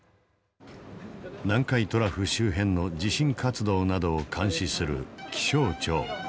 南海トラフ周辺の地震活動などを監視する気象庁。